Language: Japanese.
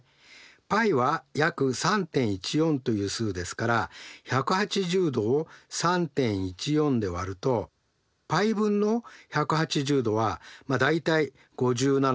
πは約３．１４という数ですから１８０°を３．１４で割るとπ分の１８０°は大体５７．３°という計算になります。